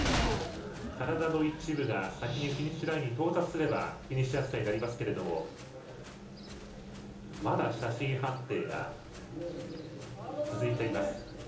体の一部が先にフィニッシュラインに到達すればフィニッシュ扱いになりますがまだ、写真判定が続いています。